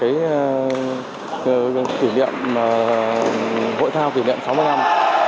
trước khi có kế hoạch về hội thao kỷ niệm sáu mươi năm